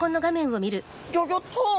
ギョギョッと！